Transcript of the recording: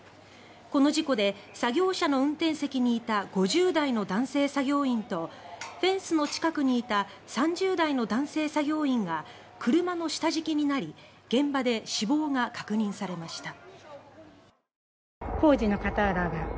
この事故で作業車の運転席にいた５０代の男性作業員とフェンスの近くにいた３０代の男性従業員が車の下敷きになり現場で死亡が確認されました。